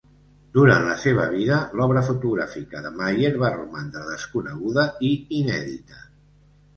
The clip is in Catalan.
Durant la seva vida, l'obra fotogràfica de Maier va romandre desconeguda i inèdita.